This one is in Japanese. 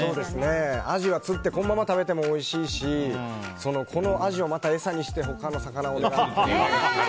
アジは、釣ってそのまま食べてもおいしいしこのアジをまた餌にして他の魚を狙ったり。